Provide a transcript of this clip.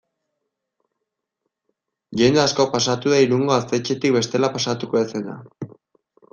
Jende asko pasatu da Irungo gaztetxetik bestela pasatuko ez zena.